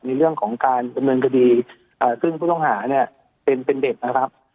ในเรื่องของการดำเนินคดีซึ่งผู้ต้องหาเนี่ยเป็นเด็กนะครับ